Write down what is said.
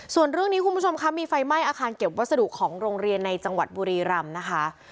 ส่วนเรื่องนี้คุณผู้ชมคะมีไฟไหม้อาคารเก็บวัสดุของโรงเรียนในจังหวัดบุรีรำนะคะ